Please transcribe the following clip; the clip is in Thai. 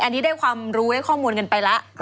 อันนี้ได้ความรู้ได้ข้อมูลกันไปแล้ว